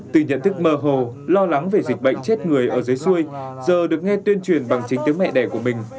từ nhận thức mơ hồ lo lắng về dịch bệnh chết người ở dưới xuôi giờ được nghe tuyên truyền bằng chính tiếng mẹ đẻ của mình